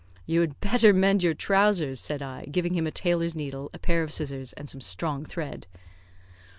"You had better mend your trousers," said I, giving him a tailor's needle, a pair of scissors, and some strong thread.